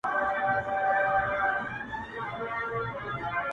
پښتنو واورئ! ډوبېږي بېړۍ ورو ورو!.